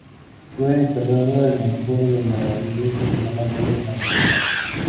Fue enterrada en el coro de la iglesia ciudadana de Darmstadt.